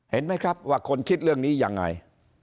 เห็นไหมครับว่าคนคิดเรื่องนี้ยังไง